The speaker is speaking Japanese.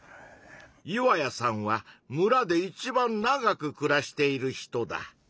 岩谷さんは村で一番長くくらしている人だ。